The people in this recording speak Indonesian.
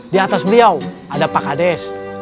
di atas beliau ada pak kades